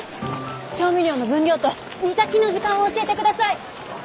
調味料の分量と煮炊きの時間を教えてください！